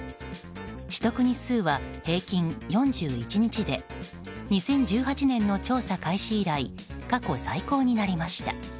取得日数は平均４１日で２０１８年の調査開始以来過去最高になりました。